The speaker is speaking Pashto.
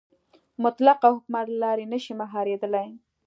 مطلقه حکومت له لارې نه شي مهارېدلی.